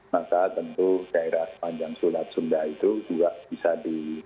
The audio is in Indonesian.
maka tentu daerah sepanjang sulat sunda itu juga bisa di